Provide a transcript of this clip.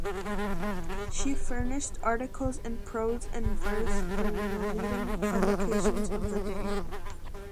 She furnished articles in prose and verse for the leading publications of the day.